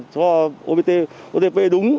cho otp đúng